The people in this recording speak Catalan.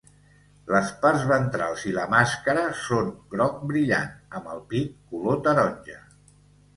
Les parts ventrals i la màscara són groc brillant, amb el pit color taronja.